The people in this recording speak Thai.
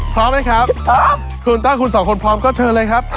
พร้อมไหมครับคุณต้าคุณสองคนพร้อมก็เชิญเลยครับ